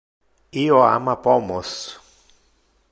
Io ama pomos.